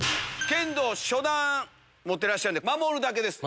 剣道初段持ってらっしゃるんで守るだけです。